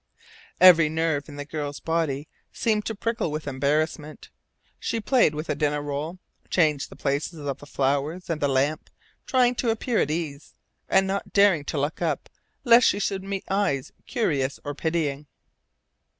Every nerve in the girl's body seemed to prickle with embarrassment. She played with a dinner roll, changed the places of the flowers and the lamp, trying to appear at ease, and not daring to look up lest she should meet eyes curious or pitying.